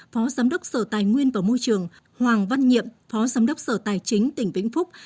phó giám đốc sở tài nguyên và môi trường hoàng văn nhiệm phó giám đốc sở tài chính tỉnh vĩnh phúc